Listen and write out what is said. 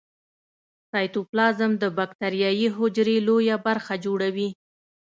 سایتوپلازم د باکتریايي حجرې لویه برخه جوړوي.